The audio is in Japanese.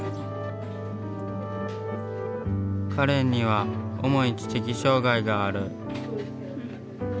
かれんには重い知的障害がある。